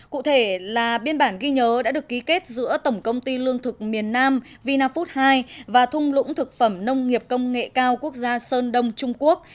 cụ thể là biên bản ghi nhớ đã được ký kết giữa tổng công ty lương thực miền nam vinafood hai và thung lũng thực phẩm nông nghiệp công nghệ cao quốc gia sơn đông trung quốc